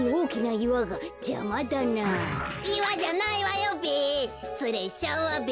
いわじゃないわよべ。